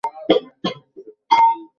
এটা ছিল কিছুটা ধ্বংসাত্মক, আর বড়।